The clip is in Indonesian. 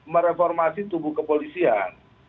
mereformasi tubuh kepolisian